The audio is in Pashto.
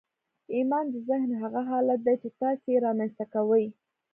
ايمان د ذهن هغه حالت دی چې تاسې يې رامنځته کوئ.